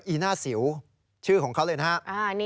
อีน่าสิวชื่อของเขาเลยนะฮะ